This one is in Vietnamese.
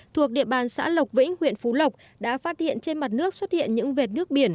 thuộc địa bàn xã lộc vĩnh huyện phú lộc đã phát hiện trên mặt nước xuất hiện những vệt nước biển